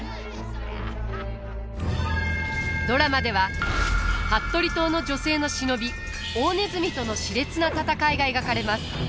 ドラマでは服部党の女性の忍び大鼠とのしれつな戦いが描かれます。